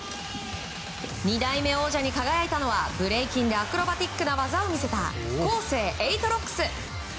２代目王者に輝いたのはブレイキンでアクロバティックな技を見せたコーセーエイトロックス。